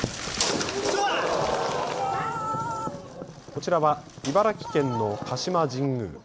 こちらは茨城県の鹿島神宮。